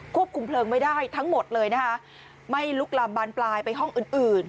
คุมเพลิงไม่ได้ทั้งหมดเลยนะคะไม่ลุกลามบานปลายไปห้องอื่นอื่น